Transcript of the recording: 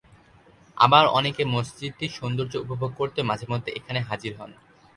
আবার অনেকে মসজিদটির সৌন্দর্য উপভোগ করতেও মাঝেমধ্যে এখানে হাজির হন।